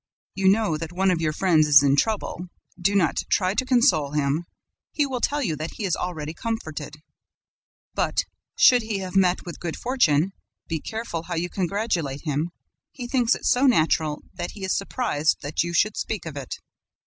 You know that one of your friends is in trouble; do not try to console him: he will tell you that he is already comforted; but, should he have met with good fortune, be careful how you congratulate him: he thinks it so natural that he is surprised that you should speak of it.